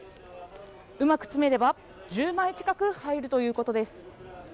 うまく詰めれば１０枚近く入るということです。